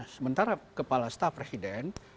sementara kepala staf presiden